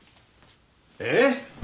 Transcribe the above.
えっ？